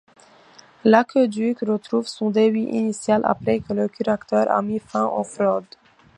L'aqueduc retrouve son débit initial après que le curateur a mis fin aux fraudes.